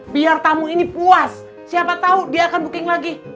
biar tamu ini puas siapa tahu dia akan booking lagi